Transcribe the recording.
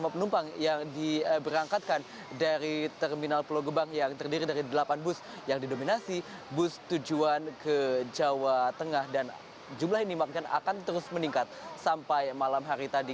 lima penumpang yang diberangkatkan dari terminal pulau gebang yang terdiri dari delapan bus yang didominasi bus tujuan ke jawa tengah dan jumlah ini makin akan terus meningkat sampai malam hari tadi